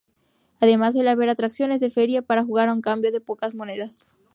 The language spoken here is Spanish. Además, suele haber atracciones de feria para jugar a cambio de unas pocas monedas.